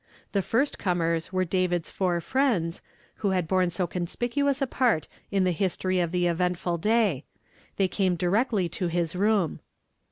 The fii st comers were David's four friends, who had borne so con spicuous a part in the history of the eventful day. 'J'hey came directly to his room.